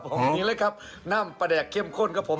อย่างนี้เลยครับน้ำปลาแดกเข้มข้นครับผม